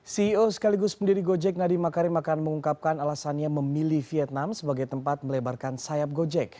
ceo sekaligus pendiri gojek nadiem makarim akan mengungkapkan alasannya memilih vietnam sebagai tempat melebarkan sayap gojek